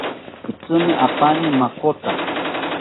Itzimi apaani makota